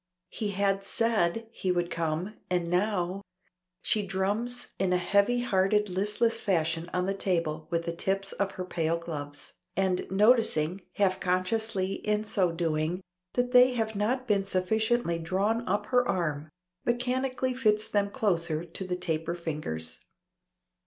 He had said he would come, and now She drums in a heavy hearted listless fashion on the table with the tips of her pale gloves, and noticing, half consciously in so doing, that they have not been sufficiently drawn up her arm, mechanically fits them closer to the taper fingers.